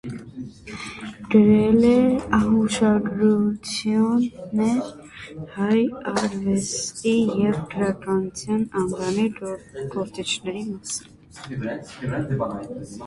Գրել է հուշագրություններ՝ հայ արվեստի և գրականության անվանի գործիչների մասին։